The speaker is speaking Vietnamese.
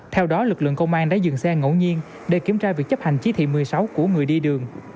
theo đó lực lượng công an đã dừng xe ngẫu nhiên để kiểm tra việc chấp hành chỉ thị một mươi sáu của người đi đường